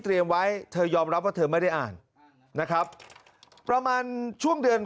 ไว้เธอยอมรับว่าเธอไม่ได้อ่านนะครับประมาณช่วงเดือน